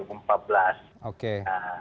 sebelum pak jokowi